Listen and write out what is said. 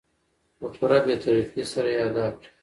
په پوره بې طرفي سره ادا کړي .